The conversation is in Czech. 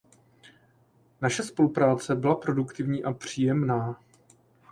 Naše spolupráce byla produktivní a příjemná.